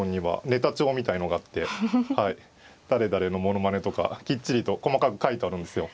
ネタ帳みたいのがあって誰々のものまねとかきっちりと細かく書いてあるんですよ。